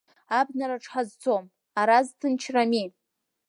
Абнараҿ ҳазцом, ара зҭынчрами?!